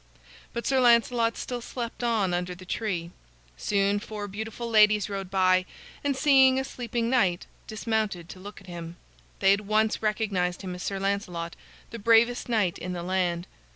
But Sir Lancelot still slept on under the tree. Soon four beautiful ladies rode by, and, seeing a sleeping knight, dismounted to look at him. They at once recognized him as Sir Lancelot, the bravest knight in the land.